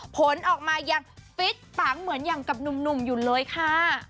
ผลออกมายังฟิตปังเหมือนอย่างกับหนุ่มอยู่เลยค่ะ